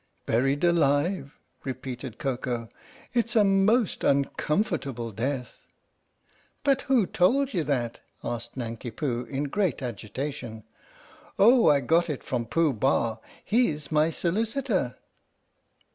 "Buried alive," repeated Koko. "It's a most uncomfortable death." "But who told you that?" asked Nanki Poo, in great agitation. " Oh, I got it from Pooh Bah. He 's my solicitor."